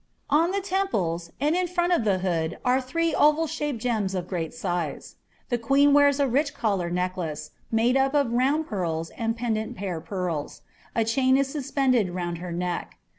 On the temples, and in front ' the hood, are three oval shaped gems of great size. The queen wears rich collar necklace, made up of round pearls and pendant pear pearls ; chain is suspended round her neck.